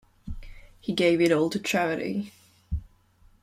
He gave it all to charity.